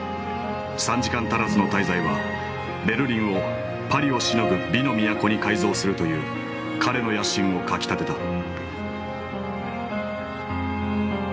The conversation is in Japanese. ３時間足らずの滞在はベルリンをパリをしのぐ美の都に改造するという彼の野心をかき立てた。